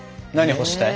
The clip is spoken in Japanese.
干したい？